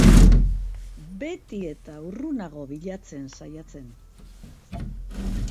Beti eta urrunago bilatzen saiatzen.